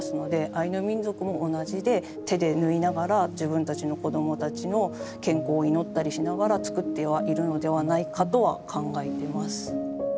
アイヌ民族も同じで手で縫いながら自分たちの子供たちの健康を祈ったりしながら作ってはいるのではないかとは考えてます。